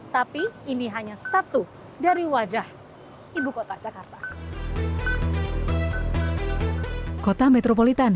tapi ini hanya satu dari wajah ibu kota jakarta